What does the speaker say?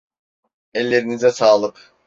Ellerinize sağlık.